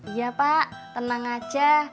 iya pak tenang aja